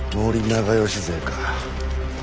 長可勢か。